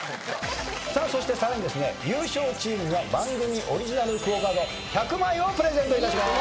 そしてさらに優勝チームには番組オリジナルＱＵＯカード１００枚をプレゼントいたしまーす。